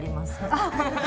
あっ！